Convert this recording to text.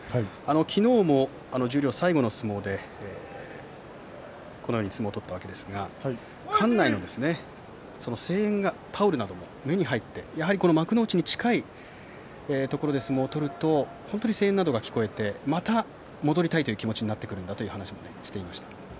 昨日も十両最後の相撲でこうした相撲を取ったわけですが館内の声援、タオルなども目に入って幕内に近いところで相撲を取ると声援などが聞こえてまた幕内に戻りたいという気持ちだという話もしていました。